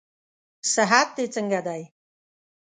صحت دې څنګه دئ؟